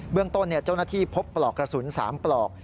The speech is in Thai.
เรื่องต้นเจ้าหน้าที่พบปลอกกระสุน๓ปลอก